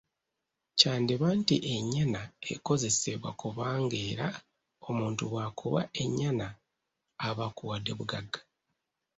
Kyandiba nti ennyana ekozesebwa kubanga era omuntu bw’akuwa ennyana, aba akuwadde bugagga.